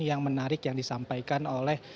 yang menarik yang disampaikan oleh